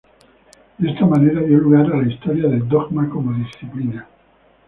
De esta manera dio lugar a la historia del dogma como disciplina.